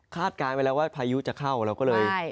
การไว้แล้วว่าพายุจะเข้าเราก็เลย